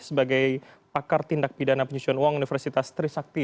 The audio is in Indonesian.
sebagai pakar tindak pidana penyusuan uang universitas trisakti